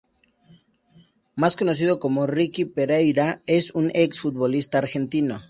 Más conocido como Ricky Pereyra, es un ex-futbolista argentino.